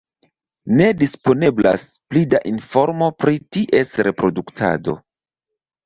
Ne disponeblas pli da informo pri ties reproduktado.